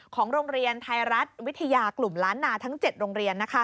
ของโรงเรียนไทยรัฐวิทยากลุ่มล้านนาทั้ง๗โรงเรียน